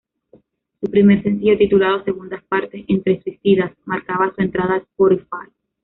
Su primer sencillo, titulado "Segundas partes entre suicidas", marcaba su entrada a Spotify.